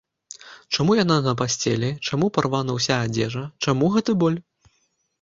Чаму яна на пасцелі, чаму парвана ўся адзежа, чаму гэты боль?